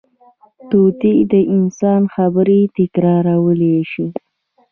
طوطي د انسان خبرې تکرارولی شي